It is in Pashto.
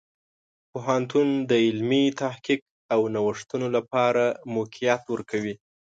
پوهنتون د علمي تحقیق او نوښتونو لپاره موقعیت ورکوي.